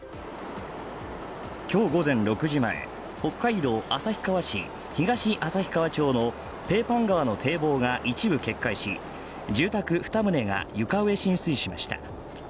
今日午前６時前、北海道旭川市東旭川町のペーパン川の堤防が一部決壊し、住宅２棟が床上浸水しました。